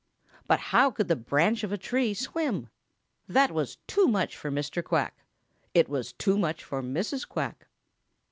But how could the branch of a tree swim? That was too much for Mr. Quack. It was too much for Mrs. Quack.